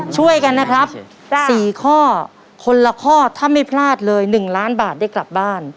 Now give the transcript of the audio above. ช่วยกันนะครับ๔ข้อคนละข้อถ้าไม่พลาดเลย๑ล้านบาทได้กลับบ้าน